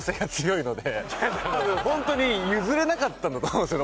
ホントに譲れなかったんだと思うんですよね